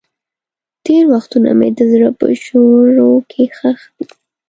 تېر وختونه مې د زړه په ژورو کې ښخ دي.